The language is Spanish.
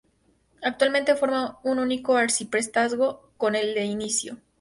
Actualmente forma un único arciprestazgo con el de Incio.